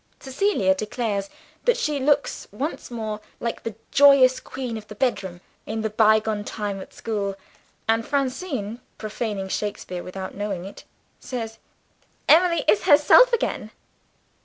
Cecilia declares that she looks, once more, like the joyous queen of the bedroom, in the bygone time at school; and Francine (profaning Shakespeare without knowing it), says, "Emily is herself again!"